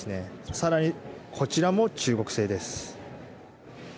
更にこちらも中国製です。